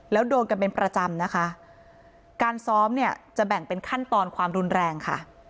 แล้วโดนกันเป็นประจำนะคะการซ้อมเนี่ยจะแบ่งเป็นขั้นตอนความรุนแรงค่ะ